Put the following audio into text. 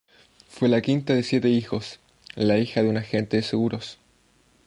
Fue la quinta de siete hijos, la hija de un agente de seguros.